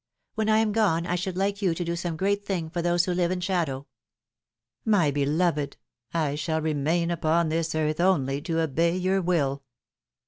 When I am gone I should like you to do some great thing for those who live in shadow." " My beloved, I shall remain upon this earth only to obey your will."